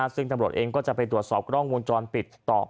ซึ่งตำรวจเองก็จะไปตรวจสอบกล้องวงจรปิดต่อ